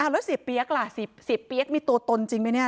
แล้วเสียเปี๊ยกล่ะเสียเปี๊ยกมีตัวตนจริงไหมเนี่ย